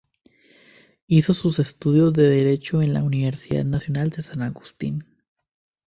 Hizo sus estudios de derecho en la Universidad Nacional de San Agustín.